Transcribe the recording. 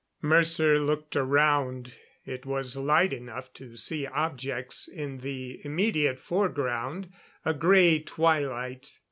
Mercer looked around. It was light enough to see objects in the immediate foreground a gray twilight.